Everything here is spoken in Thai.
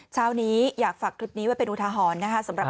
เช้านี้อยากฝากคลิปนี้ไว้เป็นอุทาหรณ์นะคะ